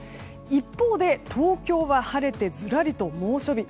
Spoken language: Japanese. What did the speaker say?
一方で東京は晴れてずらりと猛暑日。